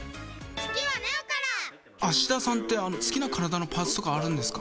芦田さんって、好きな体のパーツとかあるんですか？